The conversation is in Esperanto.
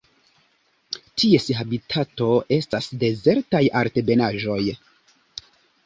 Ties habitato estas dezertaj altebenaĵoj.